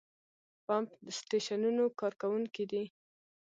پمپ سټېشنونو کارکوونکي دي.